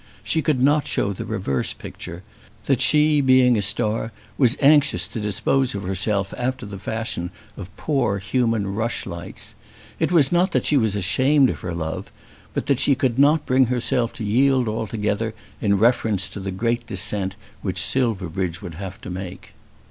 She could not show the reverse picture; that she being a star was anxious to dispose of herself after the fashion of poor human rushlights. It was not that she was ashamed of her love, but that she could not bring herself to yield altogether in reference to the great descent which Silverbridge would have to make.